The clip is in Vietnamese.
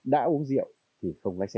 đã uống rượu thì không lái xe